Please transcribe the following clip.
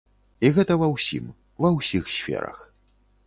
І гэта ва ўсім, ва ўсіх сферах.